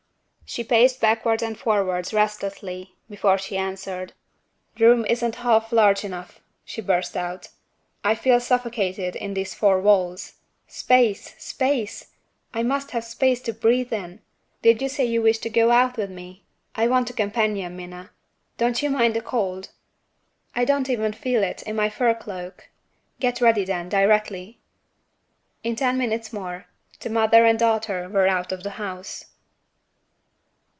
She paced backwards and forwards restlessly, before she answered. "The room isn't half large enough!" she burst out. "I feel suffocated in these four walls. Space! space! I must have space to breathe in! Did you say you wished to go out with me? I want a companion, Minna. Don't you mind the cold?" "I don't even feel it, in my fur cloak." "Get ready, then, directly." In ten minutes more, the mother and daughter were out of the house.